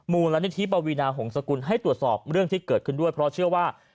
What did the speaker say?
มูลนิธิปวีนาหงษกุลให้ตรวจสอบเรื่องที่เกิดขึ้นด้วยเพราะเชื่อว่า